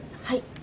はい。